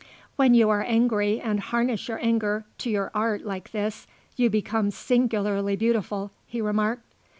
"When you are angry and harness your anger to your art like this, you become singularly beautiful," he remarked.